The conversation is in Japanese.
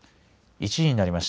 １時になりました。